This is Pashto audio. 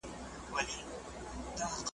نوم چي مي پر ژبه د قلم پر تخته کښلی دی .